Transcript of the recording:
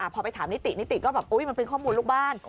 พอไปถามนิตินิติก็แบบอุ๊ยมันเป็นข้อมูลลูกบ้าน